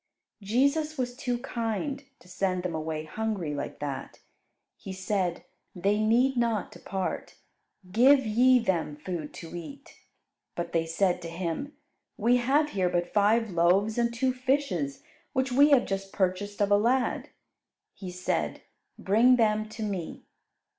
Jesus was too kind to send them away hungry like that. He said, "They need not depart; give ye them food to eat." But they said to Him, "We have here but five loaves and two fishes, which we have just purchased of a lad." He said, "Bring them to Me."